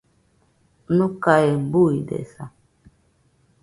Nokae buidesa